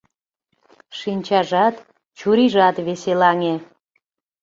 Шинчажат, чурийжат веселаҥе.